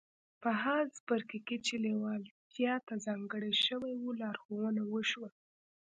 په هغه څپرکي کې چې لېوالتیا ته ځانګړی شوی و لارښوونه وشوه.